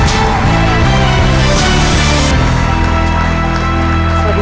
สวัสดีครับ